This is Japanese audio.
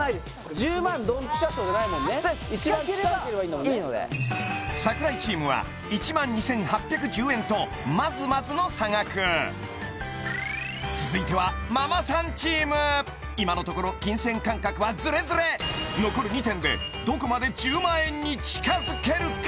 １０万ドンピシャ賞じゃないもんね近ければいいので櫻井チームは１万２８１０円とまずまずの差額続いてはママさんチーム今のところ金銭感覚はズレズレ残る２点でどこまで１０万円に近づけるか？